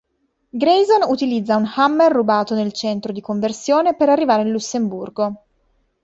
Grayson utilizza un Hammer rubato nel centro di conversione per arrivare in Lussemburgo.